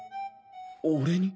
俺に？